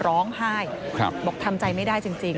ร้องไห้บอกทำใจไม่ได้จริง